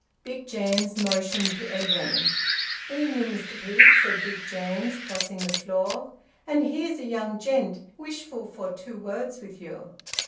Big James motioned to Edwin. "Evening, Mr Peake," said Big James, crossing the floor, "and here's a young gent wishful for two words with you."